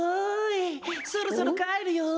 そろそろかえるよ！